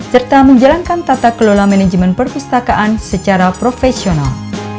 serta menjalankan tata kelola manajemen perpustakaan secara profesional